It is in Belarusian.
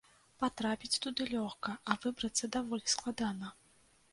Патрапіць туды лёгка, а выбрацца даволі складана.